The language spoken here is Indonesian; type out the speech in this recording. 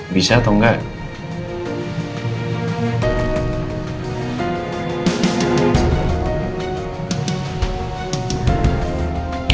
bisa atau enggak